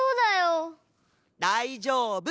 だいじょうぶ。